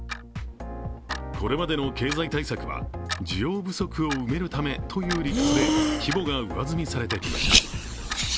これまでの経済対策は需要不足を埋めるためという理屈で規模が上積みされてきました。